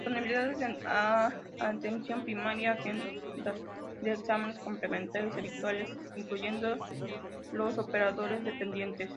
Disponibilidad desde atención primaria a agendas de exámenes complementarios habituales, incluyendo los operadores-dependientes.